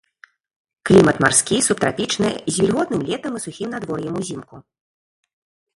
Клімат марскі субтрапічны з вільготным летам і сухім надвор'ем узімку.